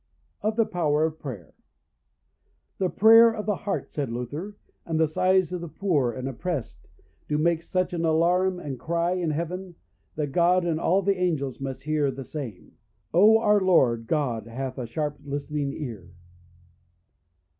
Of the Power of Prayer. The prayer of the heart, said Luther, and the sighs of the poor and oppressed, do make such an alarum and cry in heaven, that God and all the angels must hear the same. O, our Lord God hath a sharp listening ear.